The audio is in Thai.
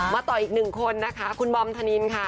ต่ออีกหนึ่งคนนะคะคุณบอมธนินค่ะ